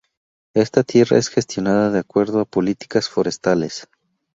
Esta tierra es gestionada de acuerdo a políticas forestales.